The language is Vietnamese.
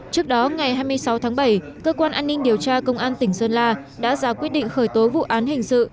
trước đó ngày hai mươi sáu tháng bảy cơ quan an ninh điều tra công an tỉnh sơn la đã ra quyết định khởi tố vụ án hình sự